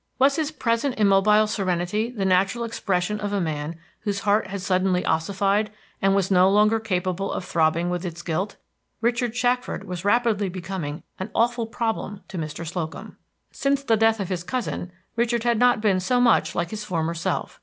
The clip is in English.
Was his present immobile serenity the natural expression of a man whose heart had suddenly ossified, and was no longer capable of throbbing with its guilt? Richard Shackford was rapidly becoming an awful problem to Mr. Slocum. Since the death of his cousin, Richard had not been so much like his former self.